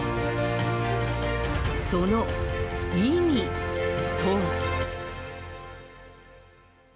その意味とは。